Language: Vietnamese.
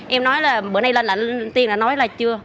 em nói là bữa nay lên tiền nó nói là chưa